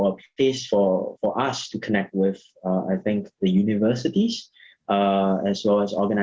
apa yang diperlukan untuk mereka berpartisipasi dalam jaringan